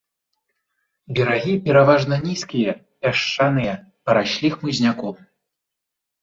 Берагі пераважна нізкія, пясчаныя, параслі хмызняком.